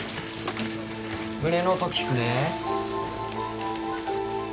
胸の音聞くね。